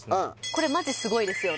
これマジすごいですよね